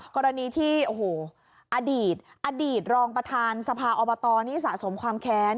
กรณีที่โอ้โหอดีตอดีตรองประธานสภาอบตนี่สะสมความแค้น